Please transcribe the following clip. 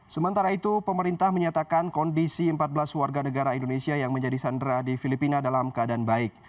sementara itu pemerintah menyatakan kondisi empat belas warga negara indonesia yang menjadi sandera di filipina dalam keadaan baik